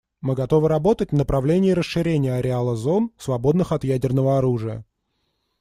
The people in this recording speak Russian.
Мы готовы работать в направлении расширения ареала зон, свободных от ядерного оружия.